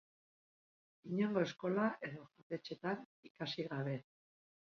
Inongo eskola edo jatetxetan ikasi gabe.